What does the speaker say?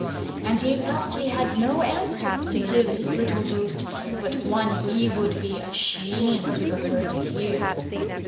And he felt he had no answer to give his little ghost, but one he would be ashamed for her to hear.